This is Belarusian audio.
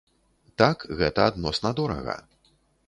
Так, гэта адносна дорага.